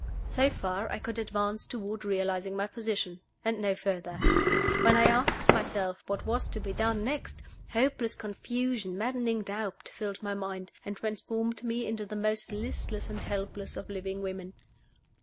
So far I could advance toward realizing my position and no further. When I asked myself what was to be done next, hopeless confusion, maddening doubt, filled my mind, and transformed me into the most listless and helpless of living women.